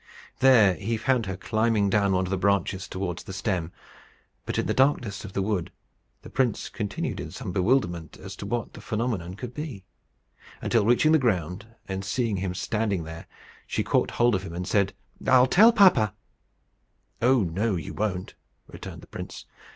There he found her climbing down one of the branches towards the stem. But in the darkness of the wood, the prince continued in some bewilderment as to what the phenomenon could be; until, reaching the ground, and seeing him standing there, she caught hold of him, and said, "I'll tell papa." "Oh no, you won't!" returned the prince.